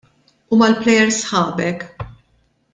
U mal-plejers sħabek?